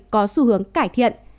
có xu hướng cải thiện